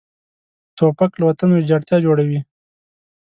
توپک له وطن ویجاړتیا جوړوي.